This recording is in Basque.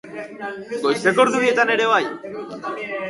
Goizeko ordu bietan ere bai?